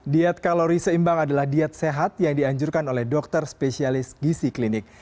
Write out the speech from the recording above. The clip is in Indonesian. diet kalori seimbang adalah diet sehat yang dianjurkan oleh dokter spesialis gisi klinik